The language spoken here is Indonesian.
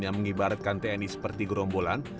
yang mengibaratkan tni seperti gerombolan